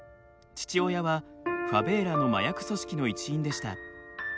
父親はファベーラの麻薬組織の一員でした。